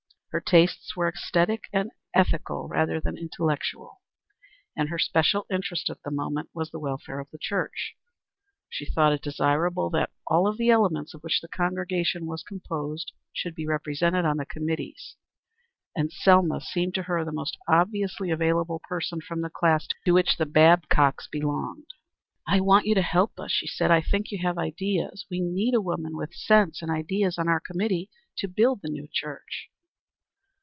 Her tastes were æsthetic and ethical rather than intellectual, and her special interest at the moment was the welfare of the church. She thought it desirable that all the elements of which the congregation was composed should be represented on the committees, and Selma seemed to her the most obviously available person from the class to which the Babcocks belonged. "I want you to help us," she said. "I think you have ideas. We need a woman with sense and ideas on our committee to build the new church."